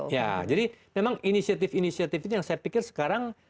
ya jadi memang inisiatif inisiatif itu yang saya pikir sekarang